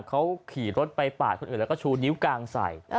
เขาขี่รถไปปาดคนอื่นแล้วก็ชูนิ้วกลางใส่